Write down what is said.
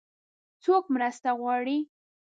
څوک مرسته غواړي؟